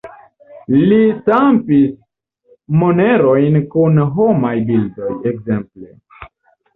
Li stampis monerojn kun homaj bildoj, ekzemple.